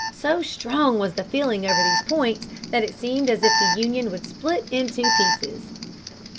So strong was the feeling over these points that it seemed as if the Union would split into pieces.